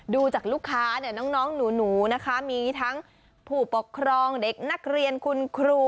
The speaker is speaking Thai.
ดูจากลูกค้าเนี่ยน้องหนูนะคะมีทั้งผู้ปกครองเด็กนักเรียนคุณครู